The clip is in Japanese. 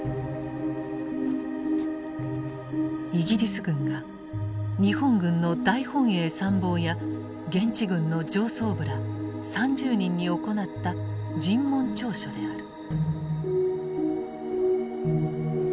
イギリス軍が日本軍の大本営参謀や現地軍の上層部ら３０人に行った尋問調書である。